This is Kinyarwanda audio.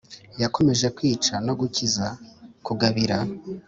Yakomeje kwica no gukiza, kugabira,